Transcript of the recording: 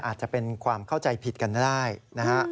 อาจจะเป็นความเข้าใจผิดกันได้ล่ะครับ